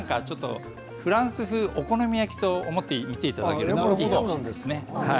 フランス風お好み焼きと思っていただければいいかもしれないですね。